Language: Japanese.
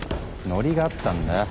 ノリが合ったんだよ。